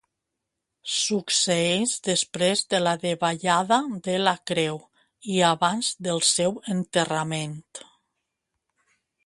Succeeix després de la davallada de la creu i abans del seu enterrament.